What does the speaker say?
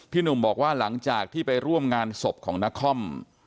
หนุ่มบอกว่าหลังจากที่ไปร่วมงานศพของนคร